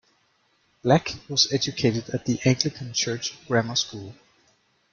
Black was educated at the Anglican Church Grammar School.